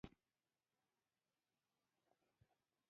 لینین سره وکتل.